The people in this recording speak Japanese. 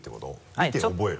見て覚える。